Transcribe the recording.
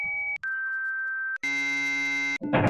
我们劝她出去晒晒太阳